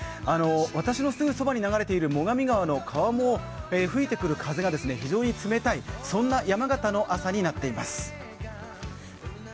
私のすぐそばに流れている最上川の川面を吹いてくる風が、非常に冷たい、そんな山形の朝になっています。